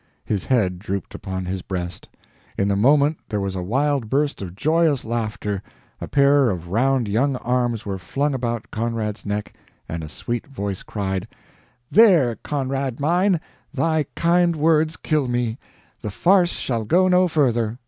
His head drooped upon his breast. In the moment there was a wild burst of joyous laughter, a pair of round young arms were flung about Conrad's neck and a sweet voice cried: "There, Conrad mine, thy kind words kill me the farce shall go no further!